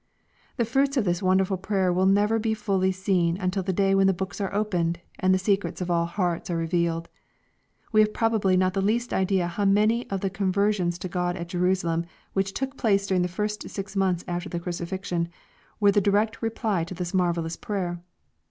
'* The fruits of this wonderful prayer will never be fully seen until the day when the books are opened, and the secrets of all hearts are revealed. We have probably not the least idea how many of the conversions to God at Jerusalem which took place during the first six months after the crucifixion, were the direct reply to this marvel lous prayer.